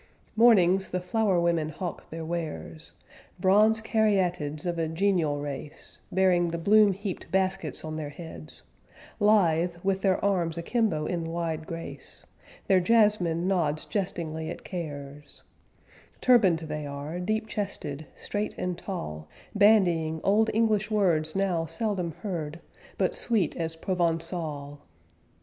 Mornings, the flower women hawk their wares Bronze caryatids of a genial race, Bearing the bloom heaped baskets on their heads; Lithe, with their arms akimbo in wide grace, Their jasmine nods jestingly at cares Turbaned they are, deep chested, straight and tall, Bandying old English words now seldom heard, But sweet as Provençal.